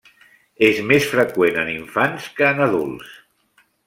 És més freqüent en infants que en adults.